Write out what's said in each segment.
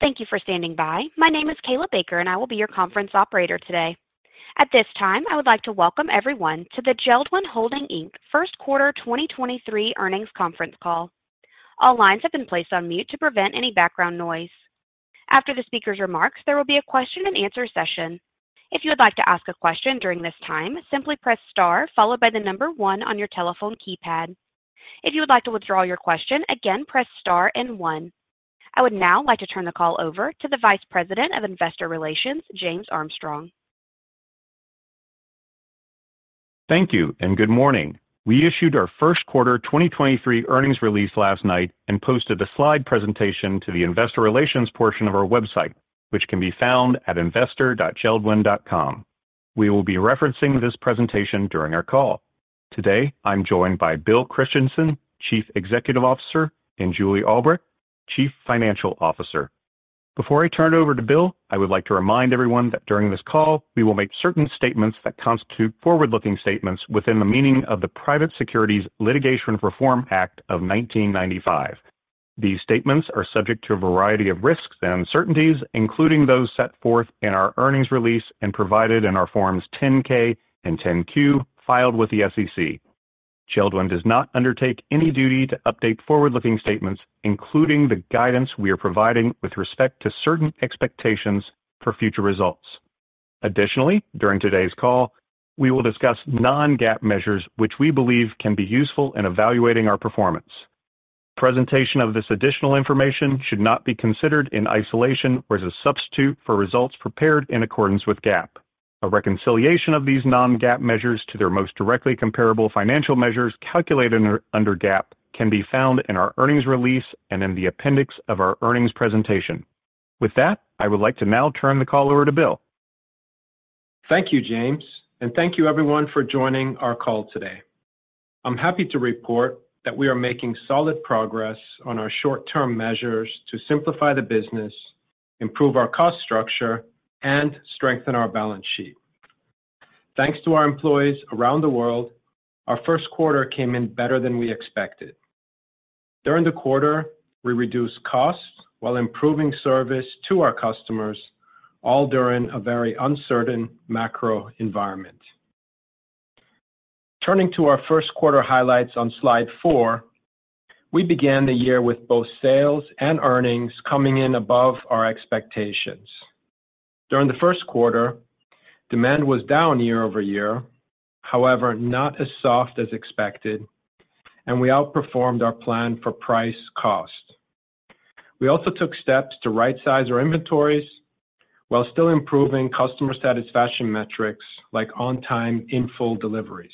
Thank you for standing by. My name is Kayla Baker, and I will be your conference operator today. At this time, I would like to welcome everyone to the JELD-WEN Holding, Inc. First Quarter 2023 Earnings Conference Call. All lines have been placed on mute to prevent any background noise. After the speaker's remarks, there will be a question and answer session. If you would like to ask a question during this time, simply press star followed by the number one on your telephone keypad. If you would like to withdraw your question, again, press star and one. I would now like to turn the call over to the Vice President of Investor Relations, James Armstrong. Thank you and good morning. We issued our first quarter 2023 earnings release last night and posted a slide presentation to the investor relations portion of our website, which can be found at investor.jeld-wen.com. We will be referencing this presentation during our call. Today, I'm joined by Bill Christensen, Chief Executive Officer, and Julie Albrecht, Chief Financial Officer. Before I turn it over to Bill, I would like to remind everyone that during this call, we will make certain statements that constitute forward-looking statements within the meaning of the Private Securities Litigation Reform Act of 1995. These statements are subject to a variety of risks and uncertainties, including those set forth in our earnings release and provided in our forms 10-K and 10-Q filed with the SEC. JELD-WEN does not undertake any duty to update forward-looking statements, including the guidance we are providing with respect to certain expectations for future results. Additionally, during today's call, we will discuss non-GAAP measures which we believe can be useful in evaluating our performance. Presentation of this additional information should not be considered in isolation or as a substitute for results prepared in accordance with GAAP. A reconciliation of these non-GAAP measures to their most directly comparable financial measures calculated under GAAP can be found in our earnings release and in the appendix of our earnings presentation. With that, I would like to now turn the call over to Bill. Thank you, James, thank you everyone for joining our call today. I'm happy to report that we are making solid progress on our short-term measures to simplify the business, improve our cost structure, and strengthen our balance sheet. Thanks to our employees around the world, our first quarter came in better than we expected. During the quarter, we reduced costs while improving service to our customers, all during a very uncertain macro environment. Turning to our first quarter highlights on slide four, we began the year with both sales and earnings coming in above our expectations. During the first quarter, demand was down year-over-year. However, not as soft as expected, and we outperformed our plan for price cost. We also took steps to right-size our inventories while still improving customer satisfaction metrics like on-time in-full deliveries.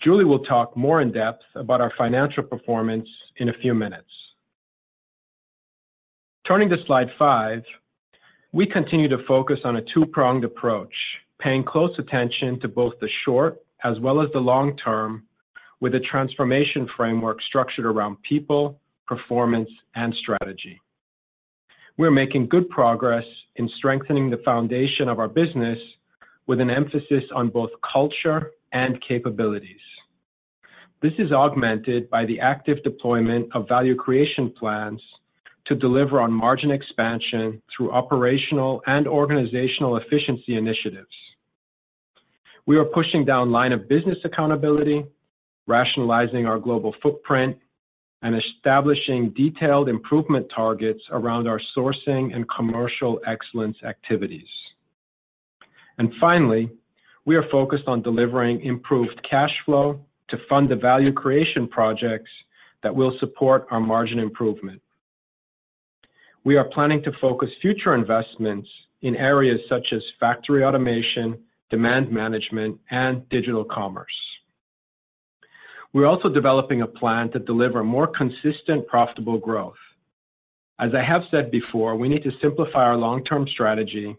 Julie will talk more in depth about our financial performance in a few minutes. Turning to slide five, we continue to focus on a two-pronged approach, paying close attention to both the short as well as the long term with a transformation framework structured around people, performance, and strategy. We're making good progress in strengthening the foundation of our business with an emphasis on both culture and capabilities. This is augmented by the active deployment of value creation plans to deliver on margin expansion through operational and organizational efficiency initiatives. We are pushing down line of business accountability, rationalizing our global footprint, and establishing detailed improvement targets around our sourcing and commercial excellence activities. Finally, we are focused on delivering improved cash flow to fund the value creation projects that will support our margin improvement. We are planning to focus future investments in areas such as factory automation, demand management, and digital commerce. We're also developing a plan to deliver more consistent, profitable growth. As I have said before, we need to simplify our long-term strategy,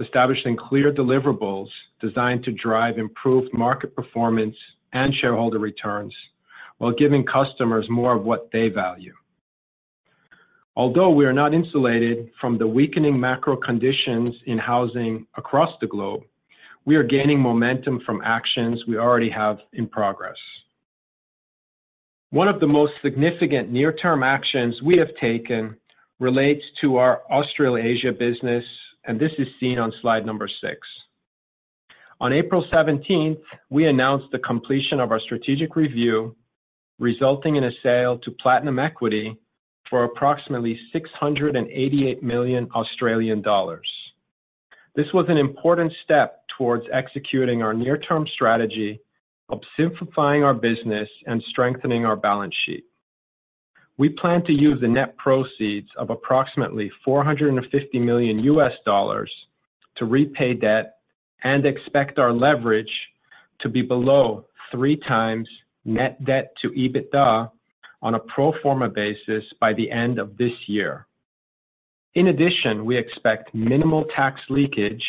establishing clear deliverables designed to drive improved market performance and shareholder returns while giving customers more of what they value. Although we are not insulated from the weakening macro conditions in housing across the globe, we are gaining momentum from actions we already have in progress. One of the most significant near-term actions we have taken relates to our Australasia business, and this is seen on slide number six. On April 17th, we announced the completion of our strategic review, resulting in a sale to Platinum Equity for approximately 688 million Australian dollars. This was an important step towards executing our near-term strategy of simplifying our business and strengthening our balance sheet. We plan to use the net proceeds of approximately $450 million to repay debt and expect our leverage to be below three times net debt to EBITDA on a pro forma basis by the end of this year. In addition, we expect minimal tax leakage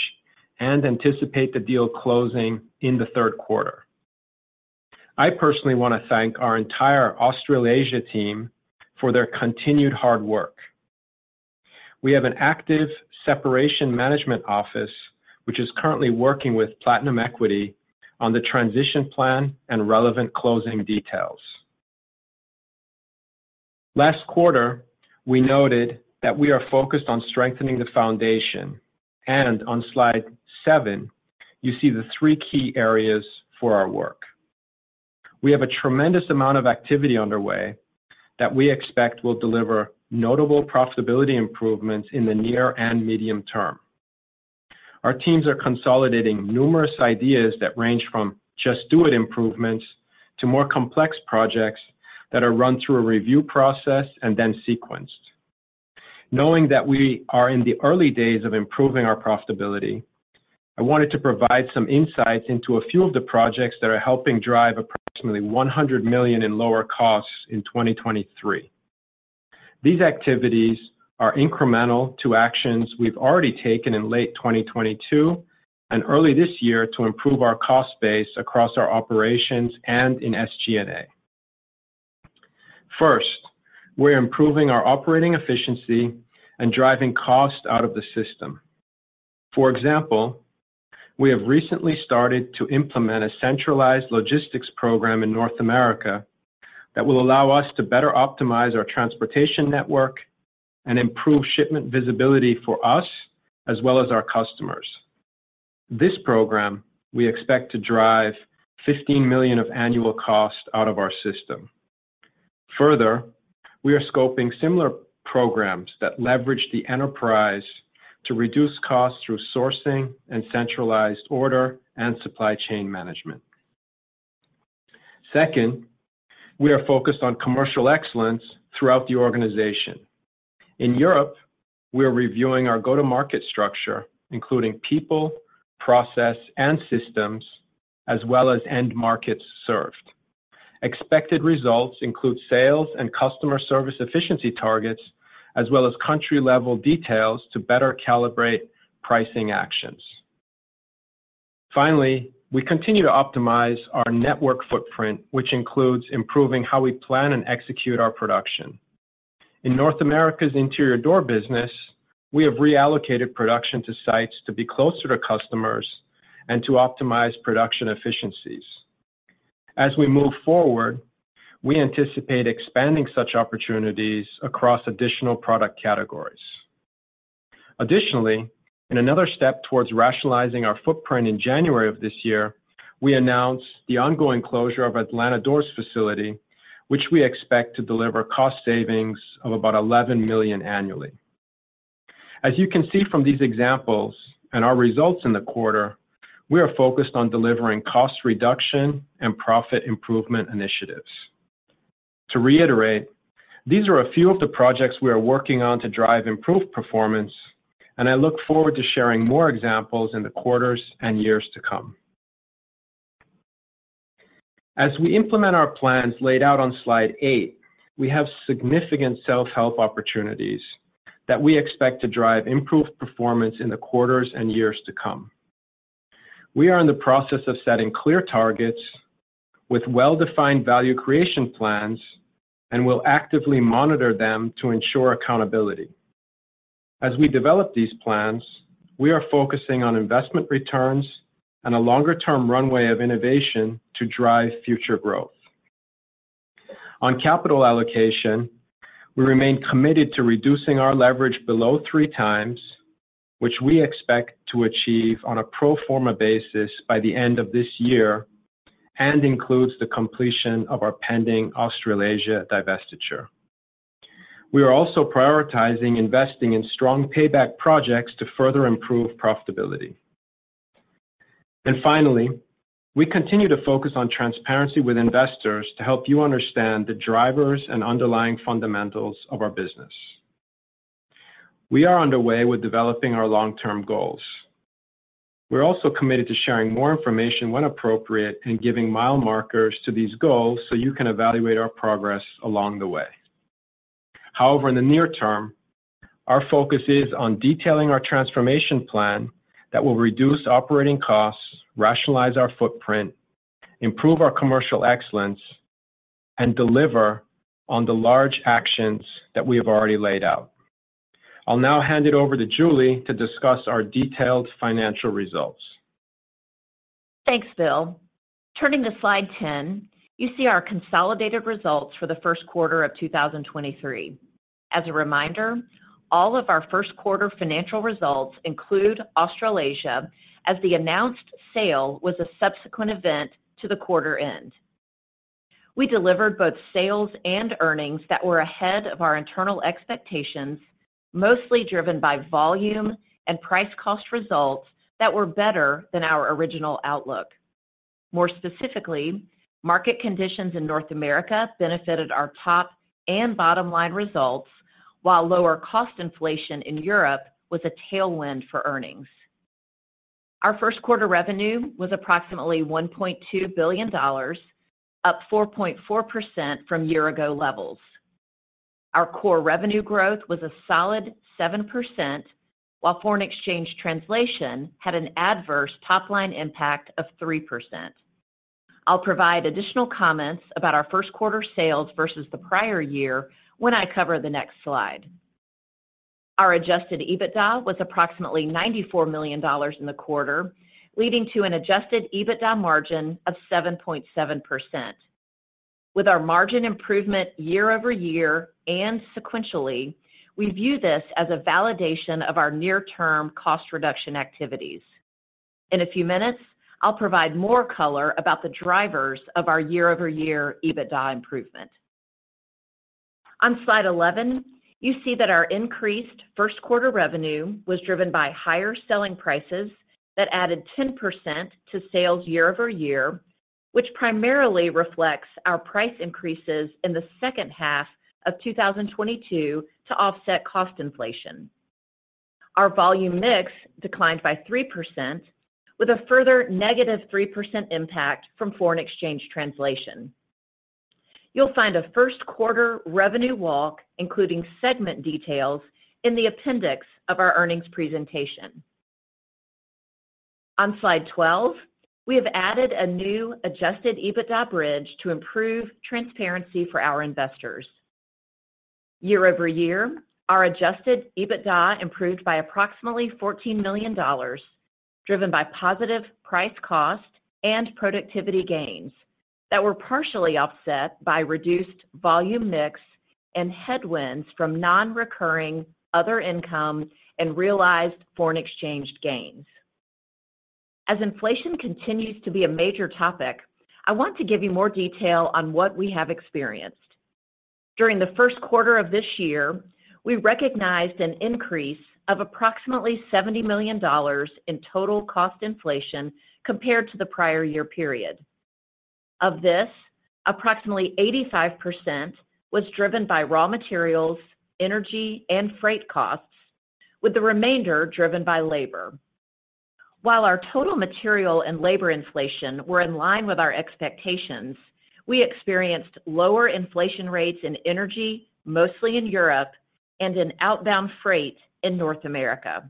and anticipate the deal closing in the third quarter. I personally want to thank our entire Australasia team for their continued hard work. We have an active separation management office which is currently working with Platinum Equity on the transition plan and relevant closing details. Last quarter, we noted that we are focused on strengthening the foundation. On slide seven, you see the three key areas for our work. We have a tremendous amount of activity underway that we expect will deliver notable profitability improvements in the near and medium term. Our teams are consolidating numerous ideas that range from just do it improvements to more complex projects that are run through a review process and then sequenced. Knowing that we are in the early days of improving our profitability, I wanted to provide some insights into a few of the projects that are helping drive approximately 100 million in lower costs in 2023. These activities are incremental to actions we've already taken in late 2022 and early this year to improve our cost base across our operations and in SG&A. First, we're improving our operating efficiency and driving costs out of the system. For example, we have recently started to implement a centralized logistics program in North America that will allow us to better optimize our transportation network and improve shipment visibility for us as well as our customers. This program we expect to drive 15 million of annual cost out of our system. Further, we are scoping similar programs that leverage the enterprise to reduce costs through sourcing and centralized order and supply chain management. Second, we are focused on commercial excellence throughout the organization. In Europe, we are reviewing our go-to-market structure, including people, process, and systems, as well as end markets served. Expected results include sales and customer service efficiency targets, as well as country-level details to better calibrate pricing actions. Finally, we continue to optimize our network footprint, which includes improving how we plan and execute our production. In North America's interior door business, we have reallocated production to sites to be closer to customers and to optimize production efficiencies. As we move forward, we anticipate expanding such opportunities across additional product categories. Additionally, in another step towards rationalizing our footprint in January of this year, we announced the ongoing closure of Atlanta facility, which we expect to deliver cost savings of about 11 million annually. As you can see from these examples and our results in the quarter, we are focused on delivering cost reduction and profit improvement initiatives. To reiterate, these are a few of the projects we are working on to drive improved performance, and I look forward to sharing more examples in the quarters and years to come. As we implement our plans laid out on slide eight, we have significant self-help opportunities that we expect to drive improved performance in the quarters and years to come. We are in the process of setting clear targets with well-defined value creation plans and will actively monitor them to ensure accountability. As we develop these plans, we are focusing on investment returns and a longer-term runway of innovation to drive future growth. On capital allocation, we remain committed to reducing our leverage below three times, which we expect to achieve on a pro forma basis by the end of this year and includes the completion of our pending Australasia divestiture. We are also prioritizing investing in strong payback projects to further improve profitability. Finally, we continue to focus on transparency with investors to help you understand the drivers and underlying fundamentals of our business. We are underway with developing our long-term goals. We're also committed to sharing more information when appropriate and giving mile markers to these goals so you can evaluate our progress along the way. In the near term, our focus is on detailing our transformation plan that will reduce operating costs, rationalize our footprint, improve our commercial excellence, and deliver on the large actions that we have already laid out. I'll now hand it over to Julie to discuss our detailed financial results. Thanks, Bill. Turning to slide 10, you see our consolidated results for the first quarter of 2023. As a reminder, all of our first quarter financial results include Australasia as the announced sale was a subsequent event to the quarter end. We delivered both sales and earnings that were ahead of our internal expectations, mostly driven by volume and price cost results that were better than our original outlook. More specifically, market conditions in North America benefited our top and bottom line results, while lower cost inflation in Europe was a tailwind for earnings. Our first quarter revenue was approximately $1.2 billion, up 4.4% from year-ago levels. Our core revenue growth was a solid 7%, while foreign exchange translation had an adverse top-line impact of 3%. I'll provide additional comments about our first quarter sales versus the prior year when I cover the next slide. Our adjusted EBITDA was approximately $94 million in the quarter, leading to an adjusted EBITDA margin of 7.7%. With our margin improvement year-over-year and sequentially, we view this as a validation of our near-term cost reduction activities. In a few minutes, I'll provide more color about the drivers of our year-over-year EBITDA improvement. On slide 11, you see that our increased first quarter revenue was driven by higher selling prices that added 10% to sales year-over-year, which primarily reflects our price increases in the second half of 2022 to offset cost inflation. Our volume mix declined by 3% with a further negative 3% impact from foreign exchange translation. You'll find a first quarter revenue walk, including segment details in the appendix of our earnings presentation. On slide 12, we have added a new adjusted EBITDA bridge to improve transparency for our investors. Year-over-year, our adjusted EBITDA improved by approximately $14 million, driven by positive price cost and productivity gains that were partially offset by reduced volume mix and headwinds from non-recurring other income and realized foreign exchange gains. Inflation continues to be a major topic, I want to give you more detail on what we have experienced. During the first quarter of this year, we recognized an increase of approximately $70 million in total cost inflation compared to the prior year period. Of this, approximately 85% was driven by raw materials, energy, and freight costs, with the remainder driven by labor. While our total material and labor inflation were in line with our expectations, we experienced lower inflation rates in energy, mostly in Europe and in outbound freight in North America.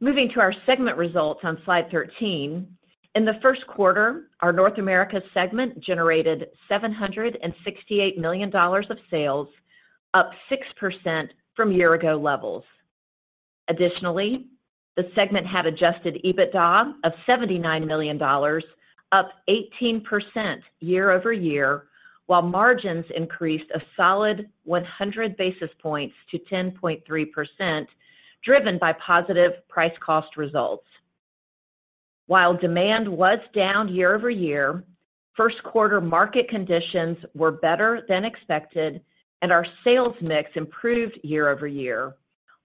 Moving to our segment results on slide 13. In the first quarter, our North America segment generated $768 million of sales, up 6% from year-ago levels. Additionally, the segment had adjusted EBITDA of $79 million, up 18% year-over-year, while margins increased a solid 100 basis points to 10.3%, driven by positive price cost results. While demand was down year-over-year, first quarter market conditions were better than expected and our sales mix improved year-over-year,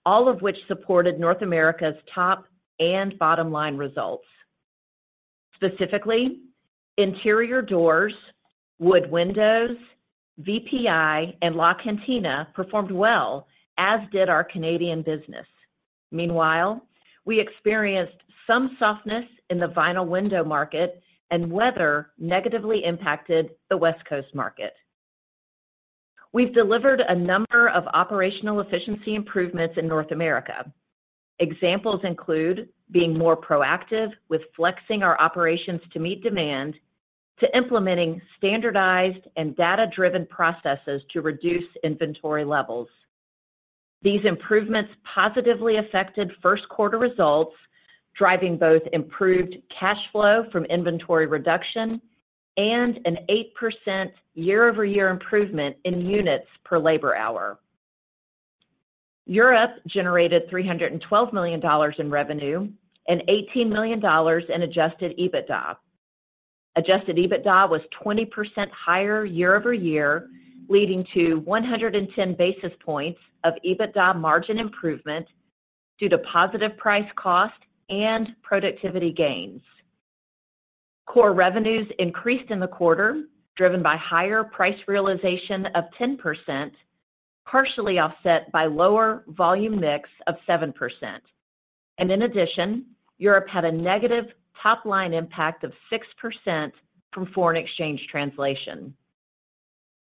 all of which supported North America's top and bottom line results. Specifically, interior doors, wood windows, VPI, and LaCantina performed well, as did our Canadian business. Meanwhile, we experienced some softness in the vinyl window market, and weather negatively impacted the West Coast market. We've delivered a number of operational efficiency improvements in North America. Examples include being more proactive with flexing our operations to meet demand, to implementing standardized and data-driven processes to reduce inventory levels. These improvements positively affected first quarter results, driving both improved cash flow from inventory reduction and an 8% year-over-year improvement in units per labor hour. Europe generated $312 million in revenue and $18 million in adjusted EBITDA. Adjusted EBITDA was 20% higher year-over-year, leading to 110 basis points of EBITDA margin improvement due to positive price cost and productivity gains. Core revenues increased in the quarter, driven by higher price realization of 10%, partially offset by lower volume mix of 7%. In addition, Europe had a negative top-line impact of 6% from foreign exchange translation.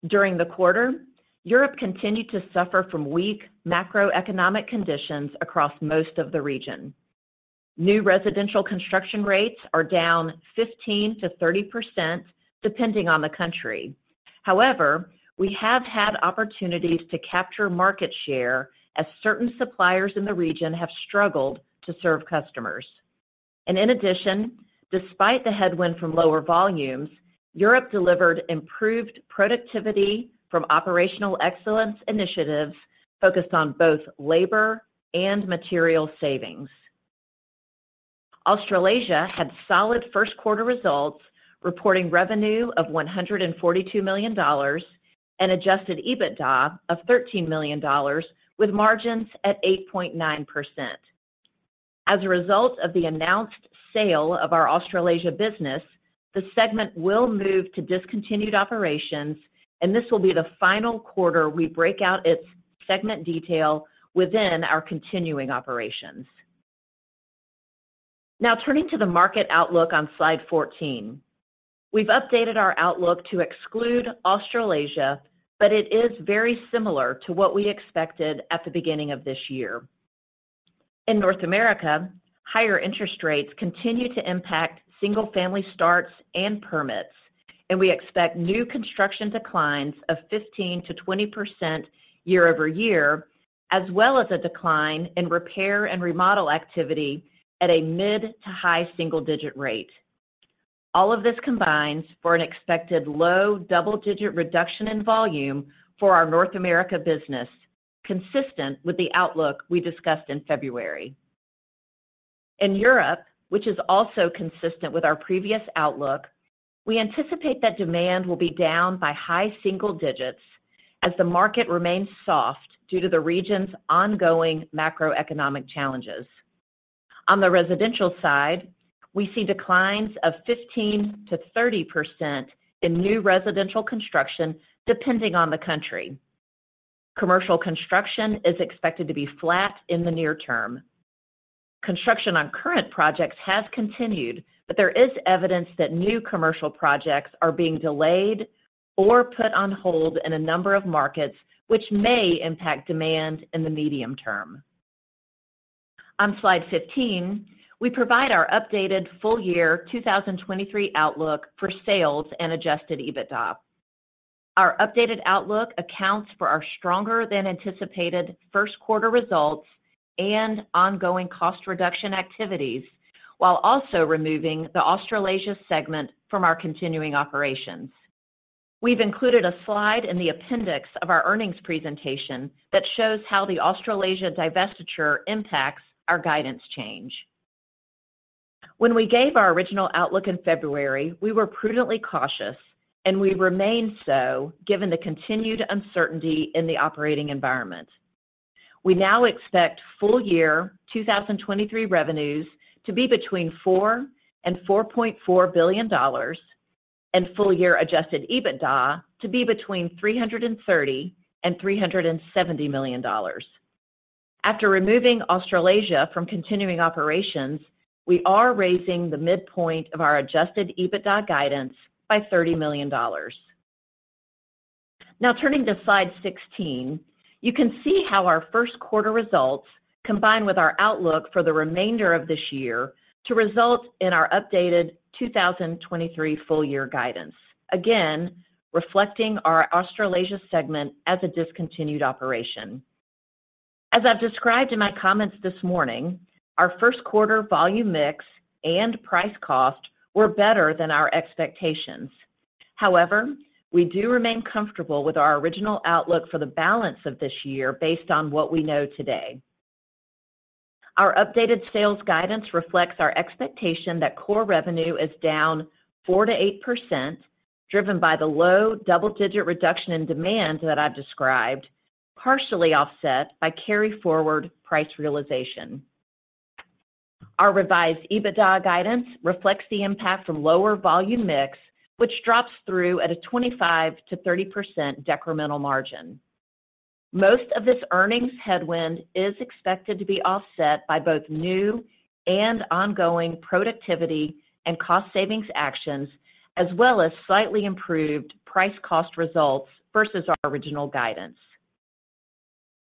During the quarter, Europe continued to suffer from weak macroeconomic conditions across most of the region. New residential construction rates are down 15%-30% depending on the country. However, we have had opportunities to capture market share as certain suppliers in the region have struggled to serve customers. In addition, despite the headwind from lower volumes, Europe delivered improved productivity from operational excellence initiatives focused on both labor and material savings. Australasia had solid first quarter results, reporting revenue of $142 million and adjusted EBITDA of $13 million with margins at 8.9%. As a result of the announced sale of our Australasia business, the segment will move to discontinued operations. This will be the final quarter we break out its segment detail within our continuing operations. Turning to the market outlook on slide 14. We've updated our outlook to exclude Australasia. It is very similar to what we expected at the beginning of this year. In North America, higher interest rates continue to impact single-family starts and permits. We expect new construction declines of 15%-20% year-over-year, as well as a decline in repair and remodel activity at a mid to high single digit rate. All of this combines for an expected low double-digit reduction in volume for our North America business, consistent with the outlook we discussed in February. In Europe, which is also consistent with our previous outlook, we anticipate that demand will be down by high single digits as the market remains soft due to the region's ongoing macroeconomic challenges. On the residential side, we see declines of 15%-30% in new residential construction depending on the country. Commercial construction is expected to be flat in the near term. Construction on current projects has continued, but there is evidence that new commercial projects are being delayed or put on hold in a number of markets, which may impact demand in the medium term. On slide 15, we provide our updated full year 2023 outlook for sales and adjusted EBITDA. Our updated outlook accounts for our stronger than anticipated first quarter results and ongoing cost reduction activities while also removing the Australasia segment from our continuing operations. We've included a slide in the appendix of our earnings presentation that shows how the Australasia divestiture impacts our guidance change. When we gave our original outlook in February, we were prudently cautious, and we remain so given the continued uncertainty in the operating environment. We now expect full year 2023 revenues to be between $4 billion and $4.4 billion and full year adjusted EBITDA to be between $330 million and $370 million. After removing Australasia from continuing operations, we are raising the midpoint of our adjusted EBITDA guidance by $30 million. Turning to slide 16, you can see how our first quarter results combine with our outlook for the remainder of this year to result in our updated 2023 full year guidance. Reflecting our Australasia segment as a discontinued operation. As I've described in my comments this morning, our first quarter volume mix and price cost were better than our expectations. However, we do remain comfortable with our original outlook for the balance of this year based on what we know today. Our updated sales guidance reflects our expectation that core revenue is down 4%- 8%, driven by the low double-digit reduction in demand that I've descibed, partially offset by carry-forward price realization. Our revised EBITDA guidance reflects the impact from lower volume mix, which drops through at a 25%-30% decremental margin. Most of this earnings headwind is expected to be offset by both new and ongoing productivity and cost savings actions, as well as slightly improved price cost results versus our original guidance.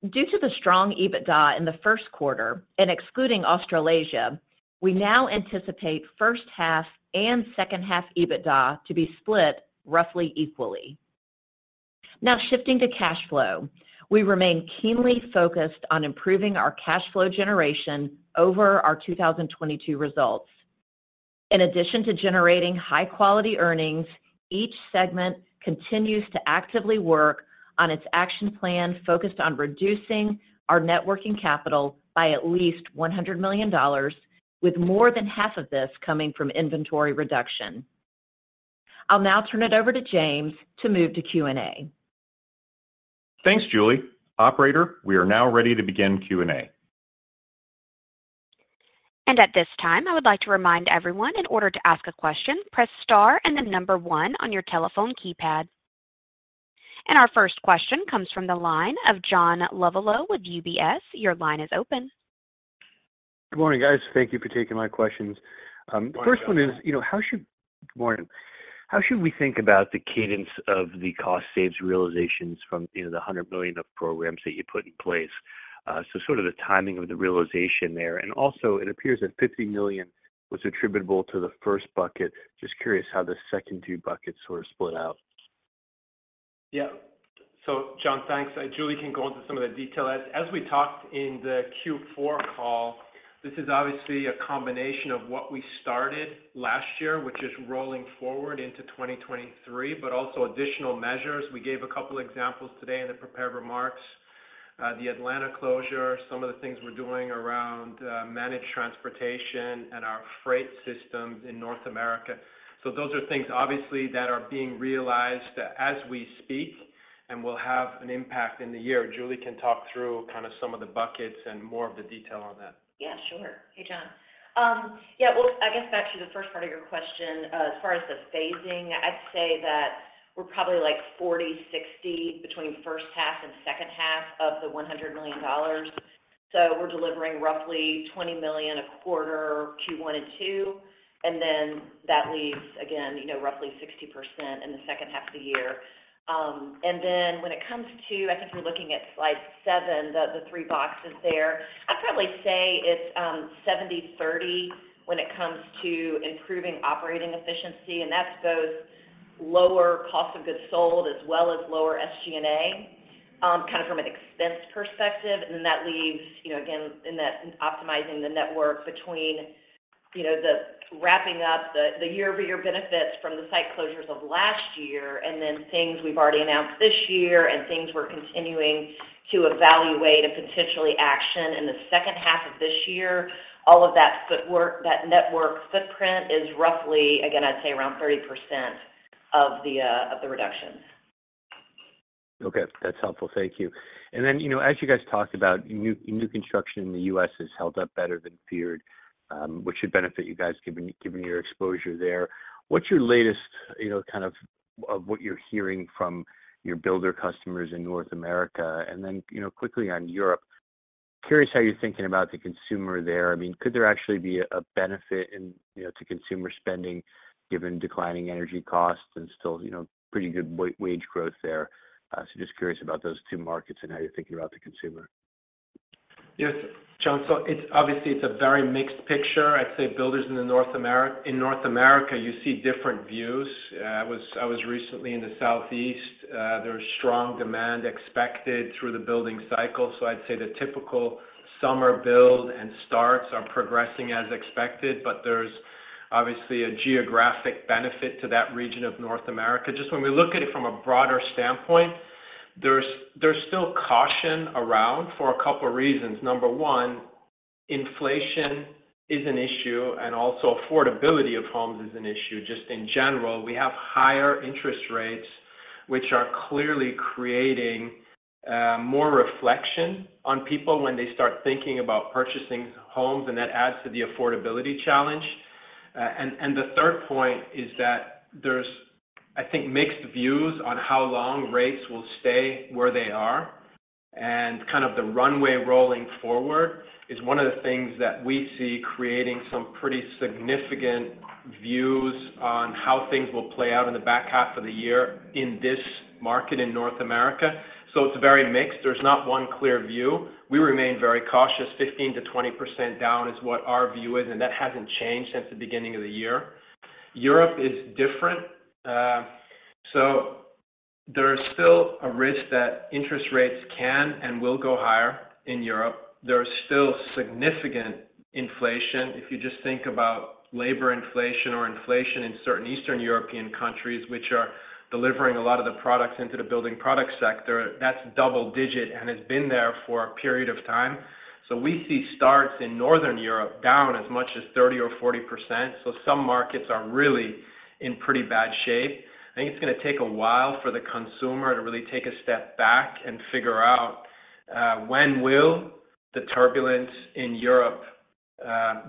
Due to the strong EBITDA in the first quarter and excluding Australasia, we now anticipate first half and second half EBITDA to be split roughly equally. Shifting to cash flow. We remain keenly focused on improving our cash flow generation over our 2022 results. In addition to generating high-quality earnings, each segment continues to actively work on its action plan focused on reducing our net working capital by at least $100 million, with more than half of this coming from inventory reduction. I'll now turn it over to James to move to Q&A. Thanks, Julie. Operator, we are now ready to begin Q&A. At this time, I would like to remind everyone in order to ask a question, press star and the number one on your telephone keypad. Our first question comes from the line of John Lovallo with UBS. Your line is open. Good morning, guys. Thank you for taking my questions. Good morning, John. First one is, you know, how should Good morning? How should we think about the cadence of the cost saves realizations from, you know, the 100 million of programs that you put in place? So sort of the timing of the realization there. Also it appears that 50 million was attributable to the first bucket. Just curious how the second two buckets sort of split out? John, thanks. Julie can go into some of the detail. As we talked in the Q4 call, this is obviously a combination of what we started last year, which is rolling forward into 2023, but also additional measures. We gave a couple examples today in the prepared remarks. The Atlanta closure, some of the things we're doing around managed transportation and our freight systems in North America. Those are things obviously that are being realized as we speak and will have an impact in the year. Julie can talk through kind of some of the buckets and more of the detail on that. Yeah, sure. Hey, John. Yeah, back to the first part of your question, as far as the phasing, I'd say that we're probably like 40, 60 between first half and second half of the $100 million. We're delivering roughly 20 million a quarter, Q1 and Q2, that leaves again, you know, roughly 60% in the second half of the year. When it comes to I think we're looking at slide 7, the three boxes there. I'd probably say it's 70/30 when it comes to improving operating efficiency, both lower cost of goods sold as well as lower SG&A, kind of from an expense perspective. That leaves, you know, again, in that optimizing the network between, you know, the wrapping up the year-over-year benefits from the site closures of last year and then things we've already announced this year and things we're continuing to evaluate a potentially action in the second half of this year. All of that footwork, that network footprint is roughly, again, I'd say around 30% of the of the reductions. Okay. That's helpful. Thank you. You know, as you guys talked about, new construction in the U.S. has held up better than feared, which should benefit you guys given your exposure there. What's your latest, you know, kind of what you're hearing from your builder customers in North America? You know, quickly on Europe, curious how you're thinking about the consumer there. I mean, could there actually be a benefit in, you know, to consumer spending given declining energy costs and still, you know, pretty good wage growth there? Just curious about those two markets and how you're thinking about the consumer. Yes. John, it's obviously a very mixed picture. I'd say builders in North America, you see different views. I was recently in the southeast. There's strong demand expected through the building cycle. I'd say the typical summer build and starts are progressing as expected, but there's obviously a geographic benefit to that region of North America. Just when we look at it from a broader standpoint, there's still caution around for a couple reasons. Number one, inflation is an issue and also affordability of homes is an issue. Just in general, we have higher interest rates, which are clearly creating more reflection on people when they start thinking about purchasing homes, and that adds to the affordability challenge. The third point is that there's, I think, mixed views on how long rates will stay where they are. Kind of the runway rolling forward is one of the things that we see creating some pretty significant views on how things will play out in the back half of the year in this market in North America. It's very mixed. There's not one clear view. We remain very cautious. 15%-20% down is what our view is, and that hasn't changed since the beginning of the year. Europe is different. There is still a risk that interest rates can and will go higher in Europe. There is still significant inflation. If you just think about labor inflation or inflation in certain Eastern European countries, which are delivering a lot of the products into the building product sector, that's double-digit and has been there for a period of time. We see starts in Northern Europe down as much as 30% or 40%. Some markets are really in pretty bad shape. I think it's going to take a while for the consumer to really take a step back and figure out when will the turbulence in Europe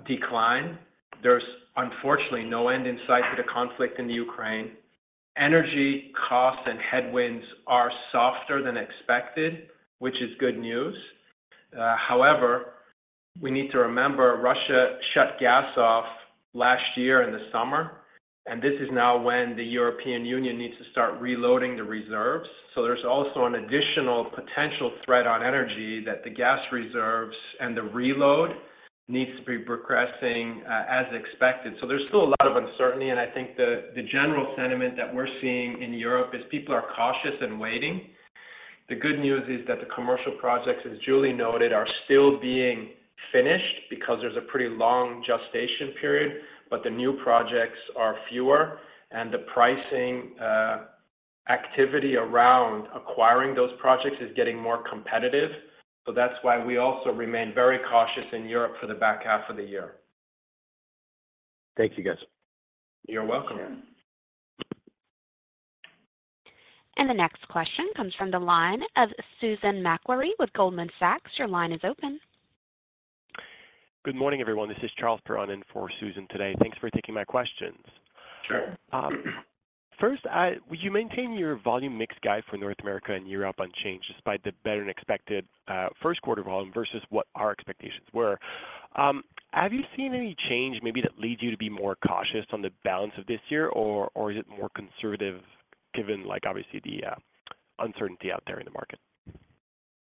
decline. There's unfortunately no end in sight to the conflict in the Ukraine. Energy costs and headwinds are softer than expected, which is good news. However, we need to remember Russia shut gas off last year in the summer, and this is now when the European Union needs to start reloading the reserves. There's also an additional potential threat on energy that the gas reserves and the reload needs to be progressing as expected. There's still a lot of uncertainty, and I think the general sentiment that we're seeing in Europe is people are cautious and waiting. The good news is that the commercial projects, as Julie noted, are still being finished because there's a pretty long gestation period, but the new projects are fewer, and the pricing activity around acquiring those projects is getting more competitive. That's why we also remain very cautious in Europe for the back half of the year. Thank you, guys. You're welcome. Yeah. The next question comes from the line of Susan Maklari with Goldman Sachs. Your line is open. Good morning, everyone. This is Charles Perron in for Susan today. Thanks for taking my questions. Sure. First, you maintain your volume mix guide for North America and Europe unchanged despite the better-than-expected, first quarter volume versus what our expectations were. Have you seen any change maybe that leads you to be more cautious on the balance of this year or is it more conservative given like obviously the uncertainty out there in the market?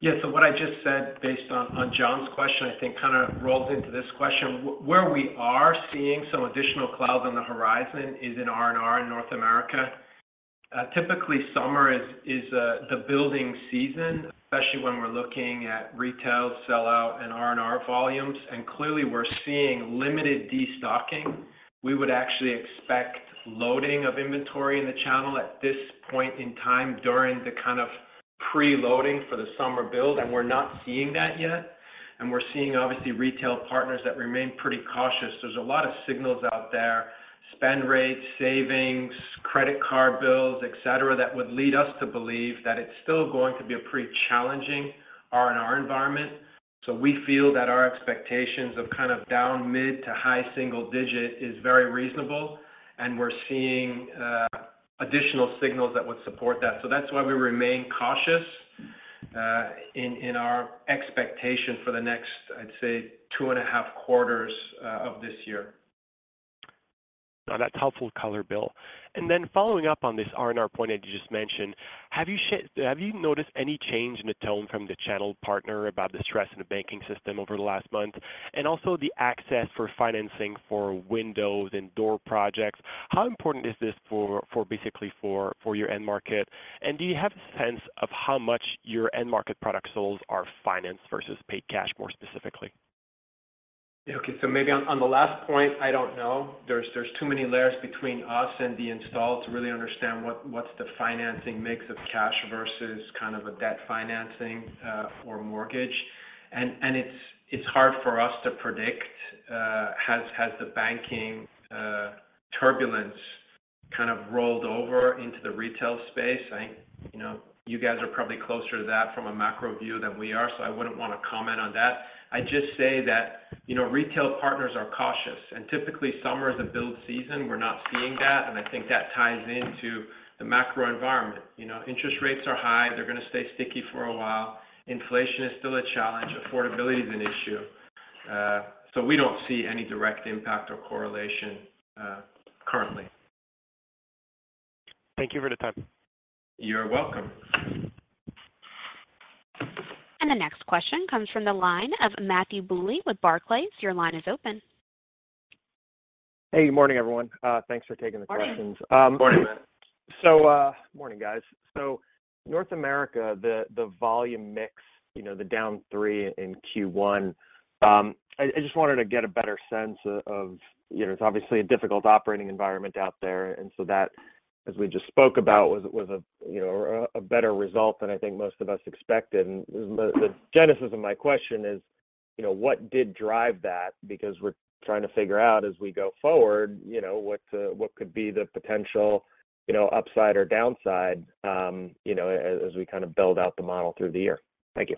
Yeah. What I just said based on John's question I think kind of rolls into this question. Where we are seeing some additional clouds on the horizon is in R&R in North America. Typically summer is the building season, especially when we're looking at retail sellout and R&R volumes, clearly we're seeing limited destocking. We would actually expect loading of inventory in the channel at this point in time during the kind of preloading for the summer build, we're not seeing that yet. We're seeing obviously retail partners that remain pretty cautious. There's a lot of signals out there, spend rates, savings, credit card bills, et cetera, that would lead us to believe that it's still going to be a pretty challenging R&R environment. We feel that our expectations of kind of down mid to high single-digit is very reasonable, and we're seeing Additional signals that would support that. That's why we remain cautious in our expectation for the next, I'd say, 2.5 quarters of this year. No, that's helpful color, Bill. Following up on this RNR point that you just mentioned, have you noticed any change in the tone from the channel partner about the stress in the banking system over the last month? Also the access for financing for windows and door projects, how important is this for basically for your end market? Do you have a sense of how much your end market product sales are financed versus paid cash more specifically? Okay. Maybe on the last point, I don't know. There's too many layers between us and the install to really understand what's the financing mix of cash versus kind of a debt financing or mortgage. It's hard for us to predict, has the banking turbulence kind of rolled over into the retail space. You know, you guys are probably closer to that from a macro view than we are, so I wouldn't want to comment on that. I just say that, you know, retail partners are cautious, and typically summer is a build season. We're not seeing that, and I think that ties into the macro environment. You know, interest rates are high. They're going to stay sticky for a while. Inflation is still a challenge. Affordability is an issue. We don't see any direct impact or correlation currently. Thank you for the time. You're welcome. The next question comes from the line of Matthew Bouley with Barclays. Your line is open. Hey. Good morning, everyone. Thanks for taking the questions. Morning. Um- Morning, Matt. Morning, guys. North America, the volume mix, you know, the down three in Q1, I just wanted to get a better sense of. You know, it's obviously a difficult operating environment out there, that, as we just spoke about, was a, you know, a better result than I think most of us expected. The, the genesis of my question is, you know, what did drive that? Because we're trying to figure out as we go forward, you know, what could be the potential, you know, upside or downside, you know, as we kind of build out the model through the year. Thank you.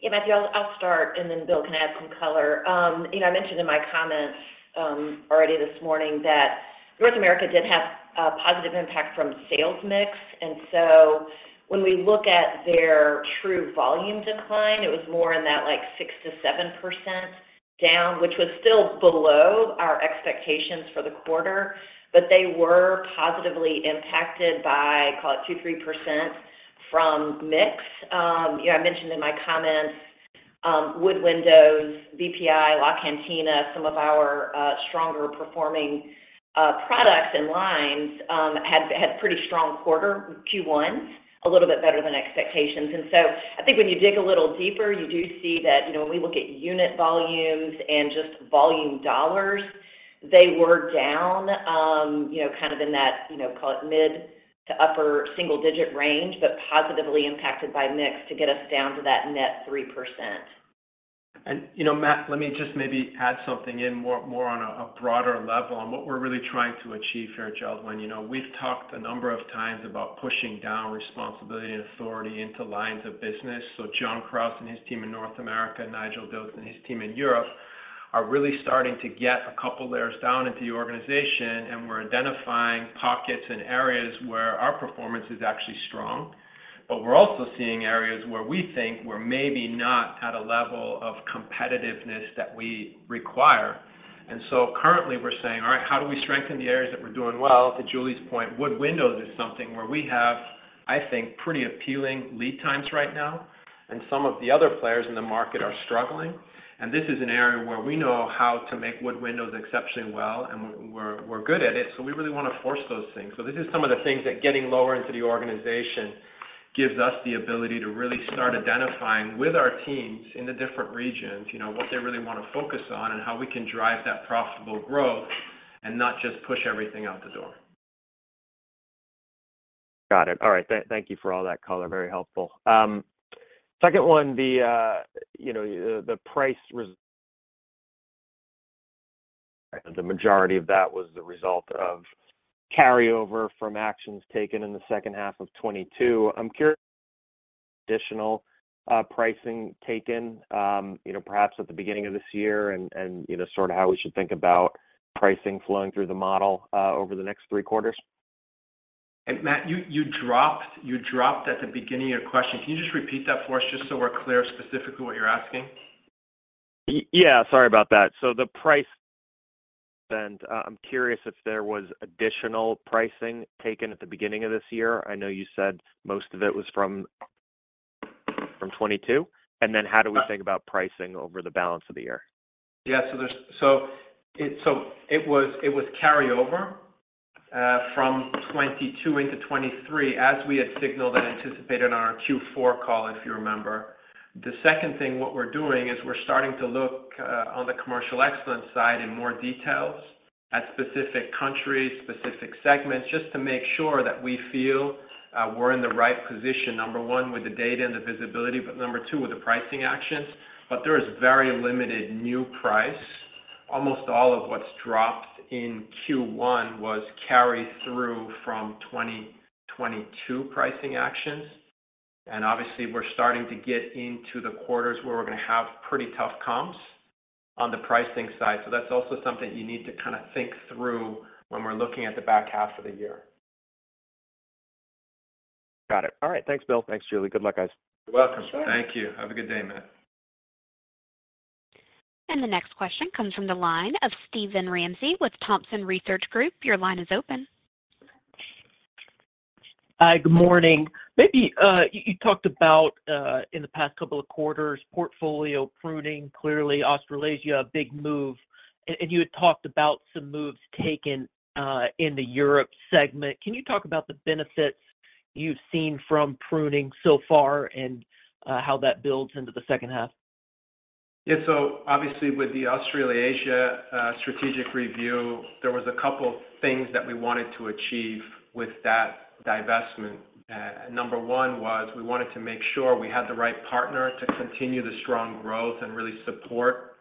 Yeah. Matthew, I'll start, then Bill can add some color. You know, I mentioned in my comments already this morning that North America did have a positive impact from sales mix. When we look at their true volume decline, it was more in that, like, 6%-7% down, which was still below our expectations for the quarter. They were positively impacted by, call it, 2%, 3% from mix. You know, I mentioned in my comments, wood windows, VPI, LaCantina, some of our stronger performing products and lines had pretty strong quarter with Q1, a little bit better than expectations. I think when you dig a little deeper, you do see that, you know, when we look at unit volumes and just volume dollars, they were down, you know, kind of in that, you know, call it mid- to upper single-digit range, but positively impacted by mix to get us down to that net 3%. You know, Matt, let me just maybe add something in more, more on a broader level on what we're really trying to achieve here at JELD-WEN. You know, we've talked a number of times about pushing down responsibility and authority into lines of business. John Krause and his team in North America, Nigel Dilks and his team in Europe, are really starting to get a couple layers down into the organization, and we're identifying pockets and areas where our performance is actually strong. We're also seeing areas where we think we're maybe not at a level of competitiveness that we require. Currently we're saying, "All right. How do we strengthen the areas that we're doing well?" To Julie's point, wood windows is something where we have, I think, pretty appealing lead times right now, and some of the other players in the market are struggling. This is an area where we know how to make wood windows exceptionally well, and we're good at it, so we really want to force those things. This is some of the things that getting lower into the organization gives us the ability to really start identifying with our teams in the different regions, you know, what they really want to focus on and how we can drive that profitable growth and not just push everything out the door. Got it. All right. Thank you for all that color. Very helpful. Second one, you know, the price. The majority of that was the result of carryover from actions taken in the second half of 2022. Additional pricing taken, you know, perhaps at the beginning of this year, and you know, sort of how we should think about pricing flowing through the model over the next three quarters. Matt, you dropped at the beginning of your question. Can you just repeat that for us just so we're clear specifically what you're asking? Yeah. Sorry about that. The price and, I'm curious if there was additional pricing taken at the beginning of this year. I know you said most of it was from 2022. How do we think about pricing over the balance of the year? Yeah. It was carryover from 2022 into 2023 as we had signaled and anticipated on our Q4 call, if you remember. The second thing, what we're doing is we're starting to look on the commercial excellence side in more details at specific countries, specific segments, just to make sure that we feel we're in the right position, number one, with the data and the visibility, but number two, with the pricing actions. There is very limited new price. Almost all of what's dropped in Q1 was carry through from 2022 pricing actions. Obviously, we're starting to get into the quarters where we're going to have pretty tough comps. On the pricing side. That's also something you need to kind of think through when we're looking at the back half of the year. Got it. All right. Thanks, Bill. Thanks, Julie. Good luck, guys. You're welcome. Sure. Thank you. Have a good day, Matt. The next question comes from the line of Steven Ramsey with Thompson Research Group. Your line is open. Hi. Good morning. Maybe, you talked about in the past couple of quarters, portfolio pruning, clearly Australasia, a big move, and you had talked about some moves taken in the Europe segment. Can you talk about the benefits you've seen from pruning so far and how that builds into the second half? Obviously with the Australasia strategic review, there was a couple things that we wanted to achieve with that divestment. Number one was we wanted to make sure we had the right partner to continue the strong growth and really support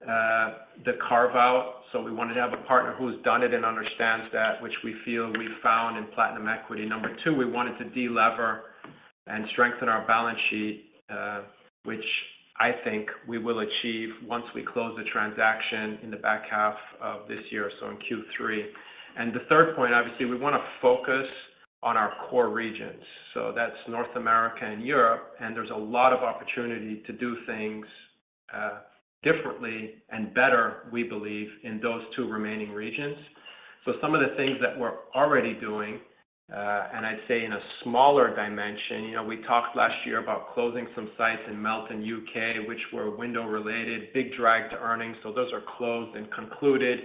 the carve-out. We wanted to have a partner who's done it and understands that, which we feel we found in Platinum Equity. Number two, we wanted to de-lever and strengthen our balance sheet, which I think we will achieve once we close the transaction in the back half of this year, so in Q3. The third point, obviously, we want to focus on our core regions, so that's North America and Europe, and there's a lot of opportunity to do things differently and better, we believe, in those two remaining regions. Some of the things that we're already doing, and I'd say in a smaller dimension, you know, we talked last year about closing some sites in Melton, U.K., which were window-related, big drag to earnings. Those are closed and concluded.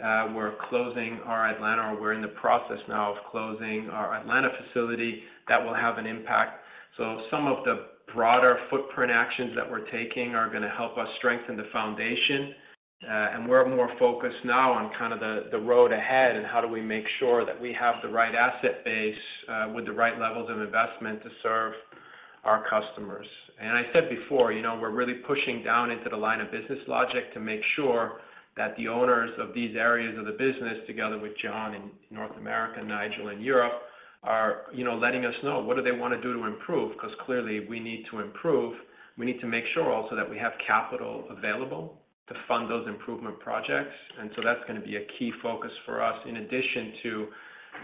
We're closing our Atlanta, or we're in the process now of closing our Atlanta facility. That will have an impact. Some of the broader footprint actions that we're taking are going to help us strengthen the foundation. We're more focused now on kind of the road ahead and how do we make sure that we have the right asset base, with the right levels of investment to serve our customers. I said before, you know, we're really pushing down into the line of business logic to make sure that the owners of these areas of the business, together with John in North America, Nigel in Europe, are, you know, letting us know what do they want to do to improve? Clearly we need to improve. We need to make sure also that we have capital available to fund those improvement projects. That's going to be a key focus for us. In addition to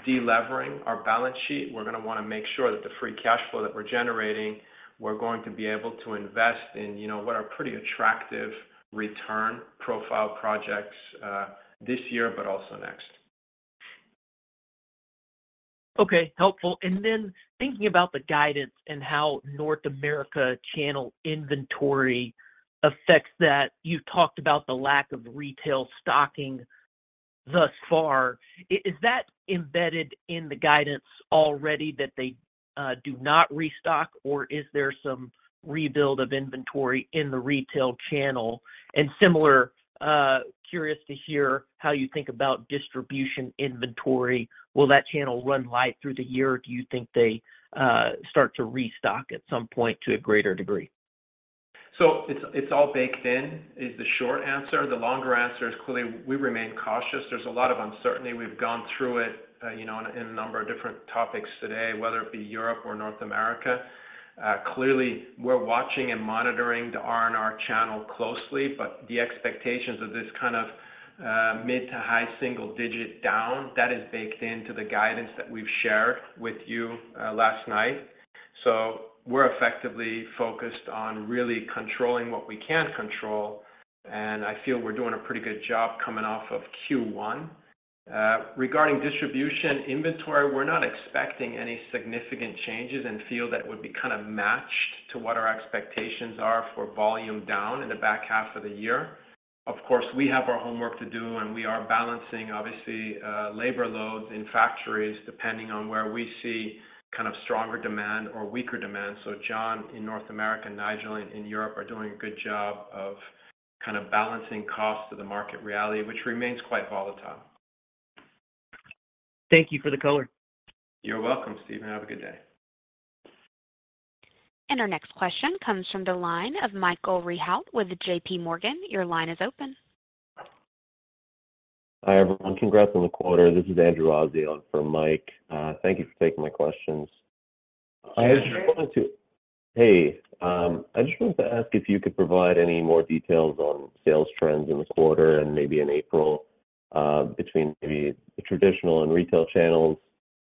de-levering our balance sheet, we're going to want to make sure that the free cash flow that we're generating, we're going to be able to invest in, you know, what are pretty attractive return profile projects this year, but also next. Okay. Helpful. Then thinking about the guidance and how North America channel inventory affects that, you talked about the lack of retail stocking thus far. Is that embedded in the guidance already that they do not restock, or is there some rebuild of inventory in the retail channel? Similar, curious to hear how you think about distribution inventory. Will that channel run light through the year, or do you think they start to restock at some point to a greater degree? It's all baked in, is the short answer. The longer answer is clearly we remain cautious. There's a lot of uncertainty. We've gone through it, you know, in a number of different topics today, whether it be Europe or North America. Clearly we're watching and monitoring the RNR channel closely, but the expectations of this kind of mid to high single-digit down, that is baked into the guidance that we've shared with you last night. We're effectively focused on really controlling what we can control, and I feel we're doing a pretty good job coming off of Q1. Regarding distribution inventory, we're not expecting any significant changes and feel that would be kind of matched to what our expectations are for volume down in the back half of the year. we have our homework to do, and we are balancing obviously, labor loads in factories depending on where we see kind of stronger demand or weaker demand. John in North America and Nigel in Europe are doing a good job of kind of balancing cost to the market reality, which remains quite volatile. Thank you for the color. You're welcome, Steven. Have a good day. Our next question comes from the line of Michael Rehaut with JP Morgan. Your line is open. Hi, everyone. Congrats on the quarter. This is Andrew Azzi on for Mike. Thank you for taking my questions. Andrew. I just wanted to ask if you could provide any more details on sales trends in the quarter and maybe in April, between maybe the traditional and retail channels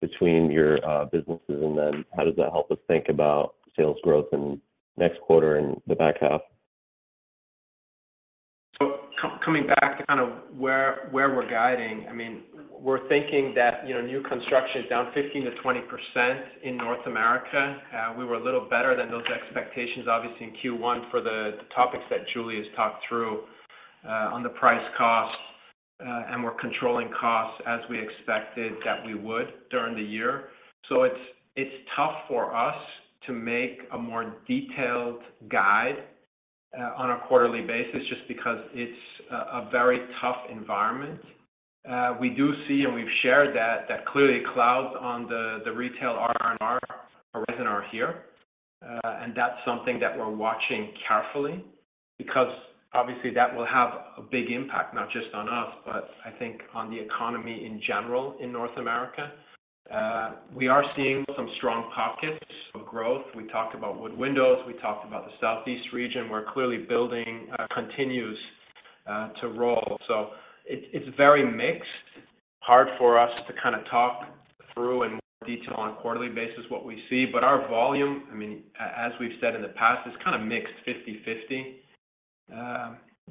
between your businesses, and then how does that help us think about sales growth in next quarter and the back half? coming back to kind of where we're guiding, I mean, we're thinking that, you know, new construction is down 15%-20% in North America. We were a little better than those expectations obviously in Q1 for the topics that Julie has talked through on the price cost, and we're controlling costs as we expected that we would during the year. It's tough for us to make a more detailed guide on a quarterly basis just because it's a very tough environment. We do see, and we've shared that clearly clouds on the retail R&R horizon are here. That's something that we're watching carefully because obviously that will have a big impact, not just on us, but I think on the economy in general in North America. We are seeing some strong pockets of growth. We talked about wood windows. We talked about the Southeast region, where clearly building continues to roll. It's very mixed. Hard for us to kind of talk through in more detail on a quarterly basis what we see. Our volume, I mean, as we've said in the past, is kind of mixed 50/50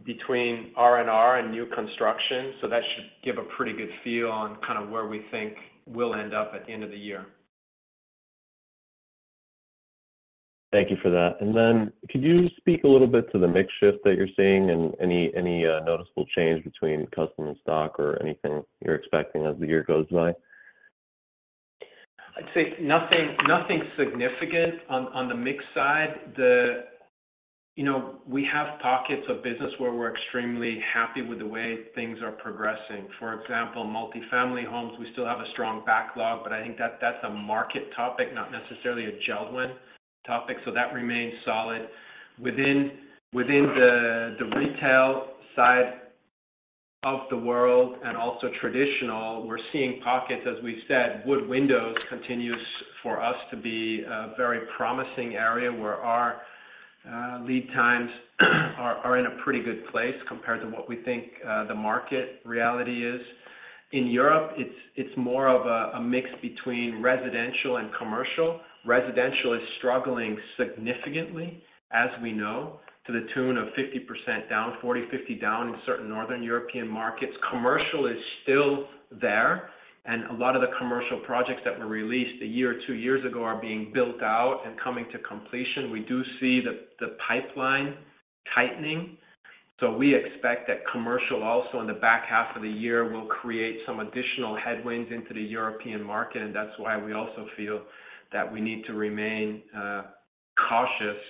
between RNR and new construction. That should give a pretty good feel on kind of where we think we'll end up at the end of the year. Thank you for that. Could you speak a little bit to the mix shift that you're seeing and any noticeable change between custom and stock or anything you're expecting as the year goes by? I'd say nothing significant on the mix side. You know, we have pockets of business where we're extremely happy with the way things are progressing. For example, multifamily homes, we still have a strong backlog, but I think that's a market topic, not necessarily a JELD-WEN topic, so that remains solid. Within, within the retail side of the world and also traditional, we're seeing pockets, as we've said, wood windows continues for us to be a very promising area where our lead times are in a pretty good place compared to what we think the market reality is. In Europe, it's more of a mix between residential and commercial. Residential is struggling significantly, as we know, to the tune of 50% down, 40, 50 down in certain Northern European markets. Commercial is still there. A lot of the commercial projects that were released a year or two years ago are being built out and coming to completion. We do see the pipeline tightening. We expect that commercial also in the back half of the year will create some additional headwinds into the European market. That's why we also feel that we need to remain cautious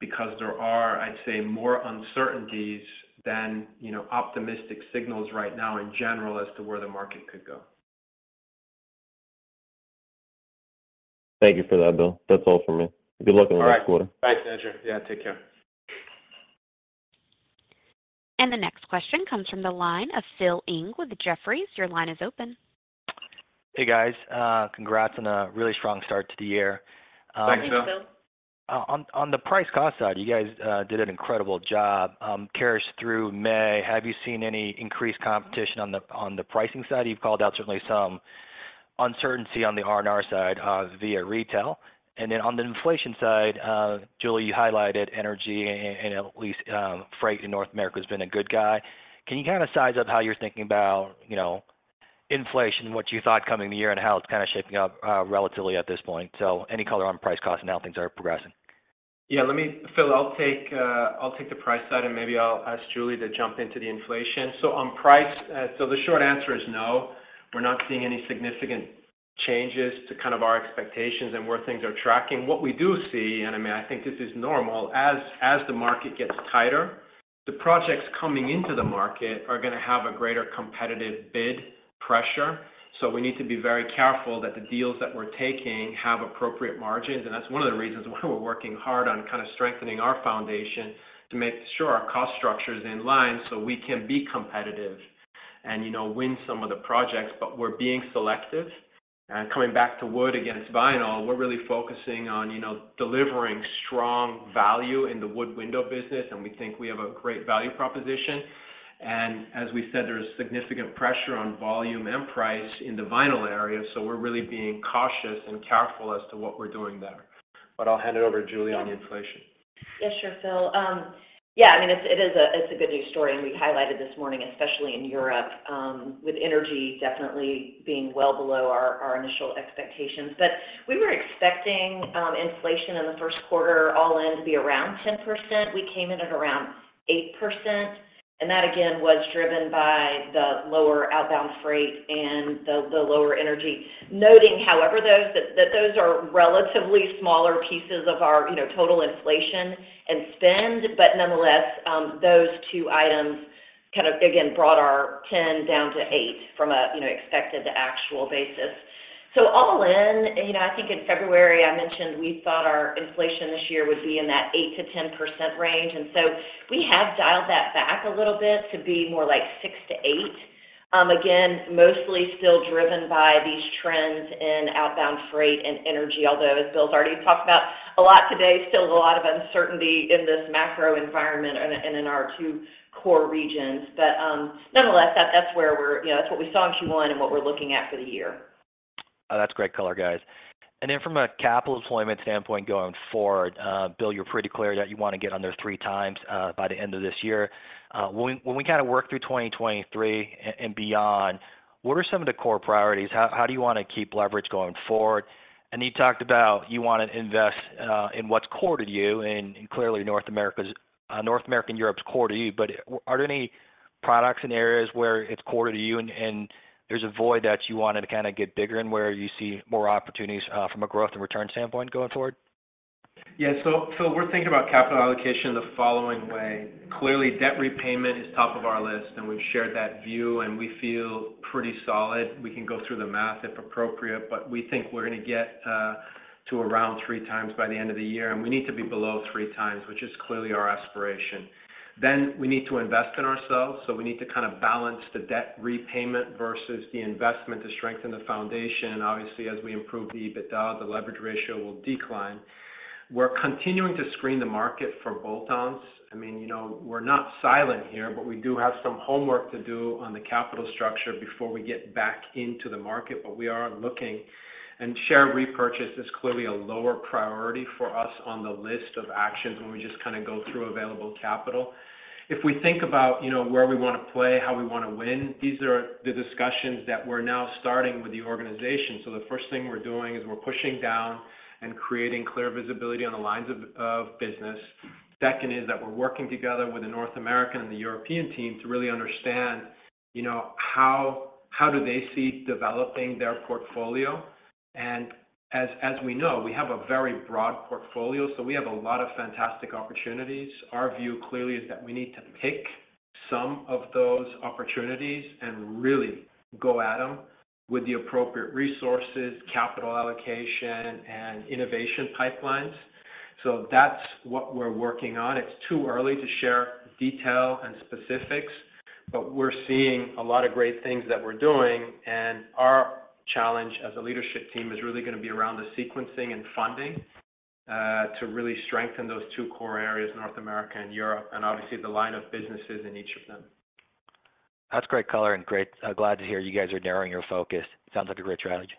because there are, I'd say, more uncertainties than, you know, optimistic signals right now in general as to where the market could go. Thank you for that, Bill. That's all for me. Good luck in the fourth quarter. All right. Thanks, Andrew. Yeah, take care. The next question comes from the line of Philip Ng with Jefferies. Your line is open. Hey, guys. Congrats on a really strong start to the year. Thanks, Phil. On the price cost side, you guys did an incredible job, carries through May. Have you seen any increased competition on the pricing side? You've called out certainly some uncertainty on the RNR side, via retail. On the inflation side, Julie, you highlighted energy and at least freight in North America has been a good guy. Can you kind of size up how you're thinking about, you know, inflation, what you thought coming the year and how it's kind of shaping up, relatively at this point? Any color on price cost and how things are progressing. Yeah, Phil, I'll take, I'll take the price side, maybe I'll ask Julie to jump into the inflation. On price, so the short answer is no. We're not seeing any significant changes to kind of our expectations and where things are tracking. What we do see, and I mean, I think this is normal, as the market gets tighter, the projects coming into the market are going to have a greater competitive bid pressure. We need to be very careful that the deals that we're taking have appropriate margins. That's one of the reasons why we're working hard on kind of strengthening our foundation to make sure our cost structure is in line so we can be competitive and, you know, win some of the projects. We're being selective. Coming back to wood against vinyl, we're really focusing on, you know, delivering strong value in the wood window business, and we think we have a great value proposition. As we said, there's significant pressure on volume and price in the vinyl area, so we're really being cautious and careful as to what we're doing there. I'll hand it over to Julie on the inflation. Yeah, sure, Phil. I mean, it is a good news story, and we highlighted this morning, especially in Europe, with energy definitely being well below our initial expectations. We were expecting inflation in the first quarter all in to be around 10%. We came in at around 8%, and that again, was driven by the lower outbound freight and the lower energy. Noting, however, those that those are relatively smaller pieces of our, you know, total inflation and spend. Nonetheless, those two items kind of, again, brought our 10 down to 8 from a, you know, expected to actual basis. All in, you know, I think in February, I mentioned we thought our inflation this year would be in that 8%-10% range. We have dialed that back a little bit to be more like 6-8. Again, mostly still driven by these trends in outbound freight and energy. Although, as Bill's already talked about a lot today, still a lot of uncertainty in this macro environment and in, and in our two core regions. Nonetheless, that's where we're. You know, that's what we saw in Q1 and what we're looking at for the year. Oh, that's great color, guys. From a capital deployment standpoint going forward, Bill, you're pretty clear that you want to get under 3 times by the end of this year. When we kind of work through 2023 and beyond, what are some of the core priorities? How do you want to keep leverage going forward? You talked about you want to invest in what's core to you, and clearly North America's North America and Europe's core to you. Are there any products and areas where it's core to you and there's a void that you wanted to kind of get bigger and where you see more opportunities from a growth and return standpoint going forward? Phil, we're thinking about capital allocation the following way. Clearly, debt repayment is top of our list, and we've shared that view, and we feel pretty solid. We can go through the math if appropriate, but we think we're going to get to around three times by the end of the year, and we need to be below three times, which is clearly our aspiration. We need to invest in ourselves, so we need to kind of balance the debt repayment versus the investment to strengthen the foundation. Obviously, as we improve the EBITDA, the leverage ratio will decline. We're continuing to screen the market for bolt-ons. I mean, you know, we're not silent here, but we do have some homework to do on the capital structure before we get back into the market, but we are looking. Share repurchase is clearly a lower priority for us on the list of actions when we just kind of go through available capital. If we think about, you know, where we want to play, how we want to win, these are the discussions that we're now starting with the organization. The first thing we're doing is we're pushing down and creating clear visibility on the lines of business. Second is that we're working together with the North American and the European team to really understand, you know, how do they see developing their portfolio. As we know, we have a very broad portfolio, so we have a lot of fantastic opportunities. Our view clearly is that we need to pick some of those opportunities and really go at them with the appropriate resources, capital allocation, and innovation pipelines. That's what we're working on. It's too early to share detail and specifics, but we're seeing a lot of great things that we're doing, and our challenge as a leadership team is really going to be around the sequencing and funding, to really strengthen those two core areas, North America and Europe, and obviously the line of businesses in each of them. That's great color and I'm glad to hear you guys are narrowing your focus. Sounds like a great strategy.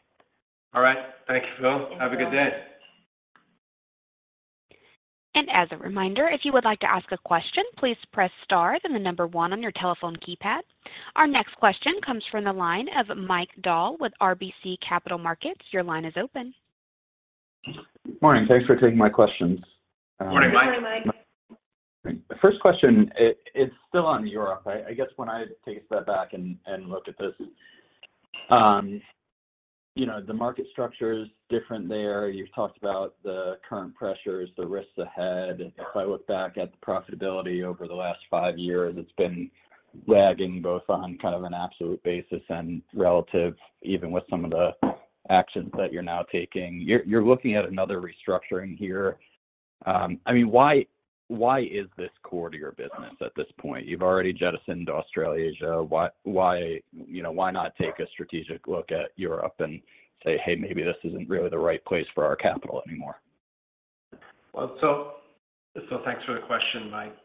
All right. Thank you, Phil. Have a good day. As a reminder, if you would like to ask a question, please press star, then the number one on your telephone keypad. Our next question comes from the line of Mike Dahl with RBC Capital Markets. Your line is open. Morning. Thanks for taking my questions. Morning, Mike. Morning, Mike. The first question it's still on Europe. I guess when I take a step back and look at this, you know, the market structure is different there. You've talked about the current pressures, the risks ahead. If I look back at the profitability over the last five years, it's been lagging both on kind of an absolute basis and relative even with some of the actions that you're now taking. You're looking at another restructuring here. I mean, why is this core to your business at this point? You've already jettisoned Australia, Asia. Why, why, you know, why not take a strategic look at Europe and say, "Hey, maybe this isn't really the right place for our capital anymore"? Thanks for the question, Mike.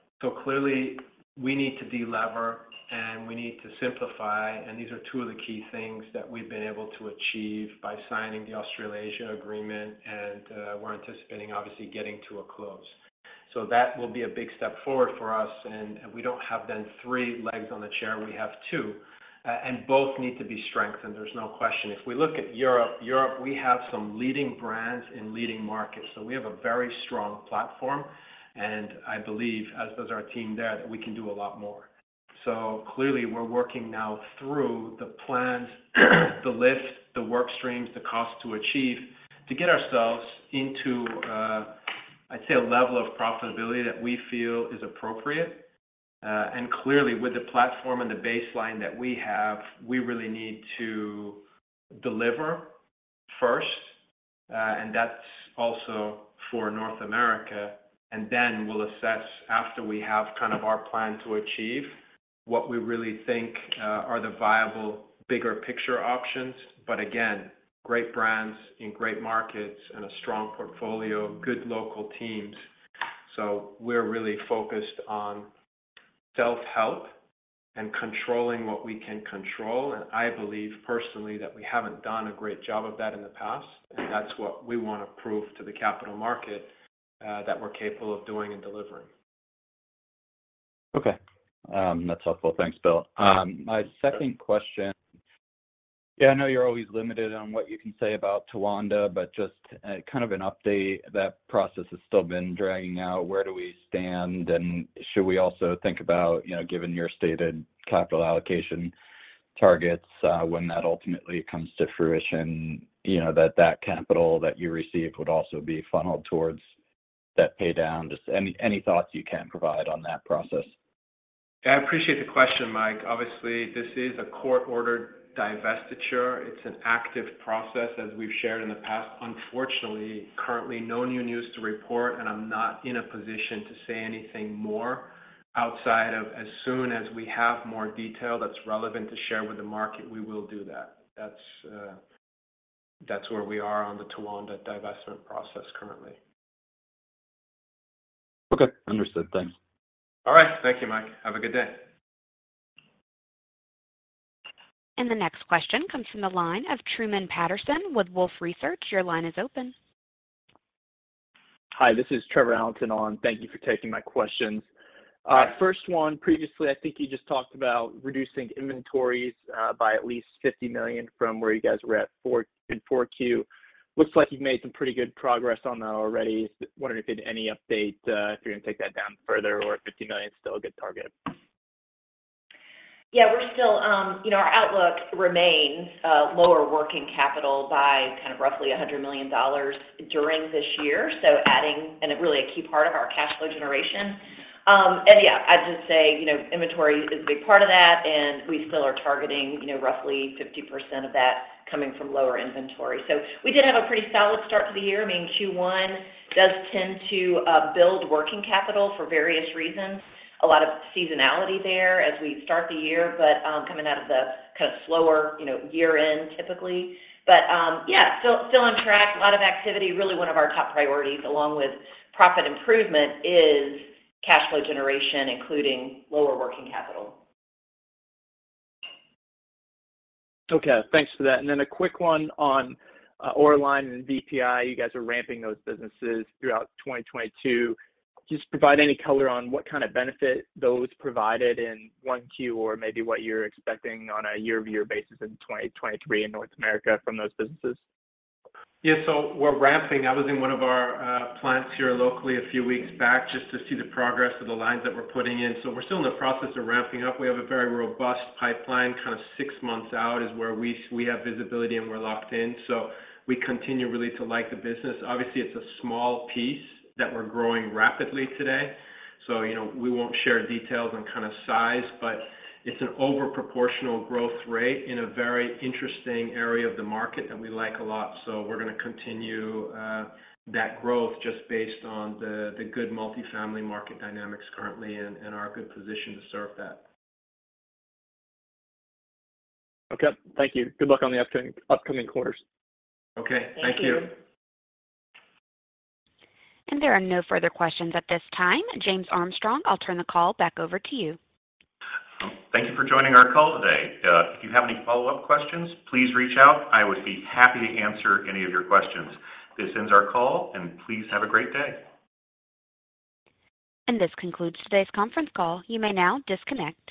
Clearly, we need to delever, and we need to simplify, and these are two of the key things that we've been able to achieve by signing the Australia-Asia agreement, and we're anticipating obviously getting to a close. That will be a big step forward for us, and we don't have then three legs on the chair, we have two. Both need to be strengthened, there's no question. If we look at Europe, we have some leading brands in leading markets, we have a very strong platform, and I believe, as does our team there, that we can do a lot more. Clearly, we're working now through the plans, the lifts, the work streams, the cost to achieve to get ourselves into, I'd say a level of profitability that we feel is appropriate. Clearly, with the platform and the baseline that we have, we really need to deliver first, and that's also for North America. Then we'll assess after we have kind of our plan to achieve what we really think, are the viable bigger picture options. Again, great brands in great markets and a strong portfolio, good local teams. We're really focused on self-help and controlling what we can control, and I believe personally that we haven't done a great job of that in the past. That's what we want to prove to the capital market, that we're capable of doing and delivering. Okay. That's helpful. Thanks, Bill. My second question. I know you're always limited on what you can say about Towanda, but just, kind of an update. That process has still been dragging out. Where do we stand? Should we also think about, you know, given your stated capital allocation targets, when that ultimately comes to fruition, you know, that capital that you receive would also be funneled towards debt pay down? Just any thoughts you can provide on that process. I appreciate the question, Mike. Obviously, this is a court-ordered divestiture. It's an active process as we've shared in the past. Unfortunately, currently, no new news to report, and I'm not in a position to say anything more outside of as soon as we have more detail that's relevant to share with the market, we will do that. That's where we are on the Towanda divestment process currently. Okay. Understood. Thanks. All right. Thank you, Mike. Have a good day. The next question comes from the line of Truman Patterson with Wolfe Research. Your line is open. Hi, this is Trevor Allinson on. Thank you for taking my questions. Hi. First one, previously, I think you just talked about reducing inventories by at least 50 million from where you guys were at in 4Q. Looks like you've made some pretty good progress on that already. Just wondering if you had any update if you're going to take that down further or if 50 million is still a good target? Yeah, we're still. You know, our outlook remains lower working capital by kind of roughly $100 million during this year, and really a key part of our cash flow generation. I'd just say, you know, inventory is a big part of that, and we still are targeting, you know, roughly 50% of that coming from lower inventory. We did have a pretty solid start to the year. I mean, Q1 does tend to build working capital for various reasons. A lot of seasonality there as we start the year, but coming out of the kind of slower, you know, year-end typically. Yeah, still on track. A lot of activity. Really one of our top priorities, along with profit improvement, is cash flow generation, including lower working capital. Okay. Thanks for that. A quick one on AuraLast and VPI. You guys are ramping those businesses throughout 2022. Can you just provide any color on what kind of benefit those provided in 1Q or maybe what you're expecting on a year-over-year basis in 2023 in North America from those businesses? We're ramping. I was in one of our plants here locally a few weeks back just to see the progress of the lines that we're putting in. We're still in the process of ramping up. We have a very robust pipeline. Kind of 6 months out is where we have visibility and we're locked in. We continue really to like the business. Obviously, it's a small piece that we're growing rapidly today, so, you know, we won't share details on kind of size, but it's an over proportional growth rate in a very interesting area of the market that we like a lot. We're going to continue that growth just based on the good multifamily market dynamics currently and our good position to serve that. Okay. Thank you. Good luck on the upcoming quarters. Okay. Thank you. Thank you. There are no further questions at this time. James Armstrong, I'll turn the call back over to you. Thank you for joining our call today. If you have any follow-up questions, please reach out. I would be happy to answer any of your questions. This ends our call. Please have a great day. This concludes today's conference call. You may now disconnect.